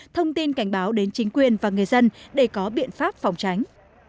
thông tin cảnh báo đến chính quyền và người dân để có biện pháp phòng tránh